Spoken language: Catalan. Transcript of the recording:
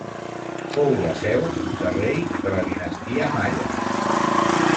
Fou la seu de reis de la dinastia Malla.